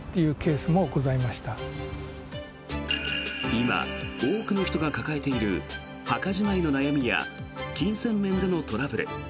今、多くの人が抱えている墓じまいの悩みや金銭面でのトラブル。